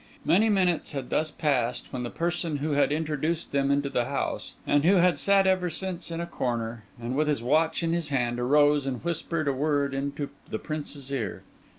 Many minutes had thus passed, when the person who had introduced them into the house, and who had sat ever since in a corner, and with his watch in his hand, arose and whispered a word into the Prince's ear.